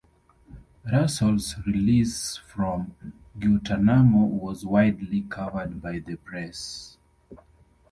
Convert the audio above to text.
Russol's release from Guantanamo was widely covered by the Press.